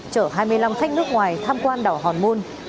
chở hai mươi năm khách nước ngoài tham quan đảo hòn môn